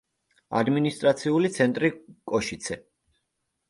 ადმინისტრაციული ცენტრი კოშიცე.